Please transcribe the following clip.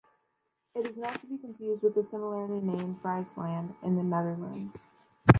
It is not to be confused with the similarly named Friesland in the Netherlands.